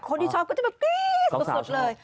คนที่ชอบก็จะแบบตี้ยยยยยยสักศนต์เลย